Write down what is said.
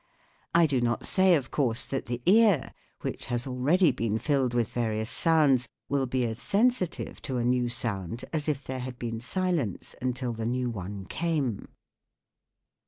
I do not say, of course, that the ear, which has already been filled with various sounds, will be as sensitive to a new sound as if there had been silence until the new one came.